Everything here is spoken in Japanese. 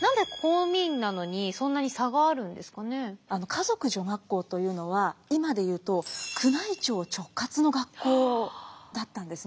華族女学校というのは今で言うと宮内庁直轄の学校だったんですね。